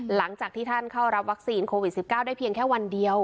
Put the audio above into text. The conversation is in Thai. หลังจากที่ท่านเข้ารับวัคซีนโควิด๑๙ได้เพียงแค่วันเดียว